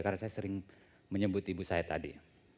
karena saya sering menyebut ibu saya tadi